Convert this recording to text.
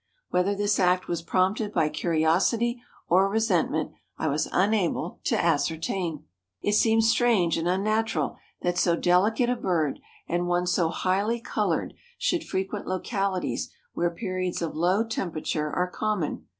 Whether this act was prompted by curiosity or resentment I was unable to ascertain." It seems strange and unnatural that so delicate a bird and one so highly colored should frequent localities where periods of low temperature are common.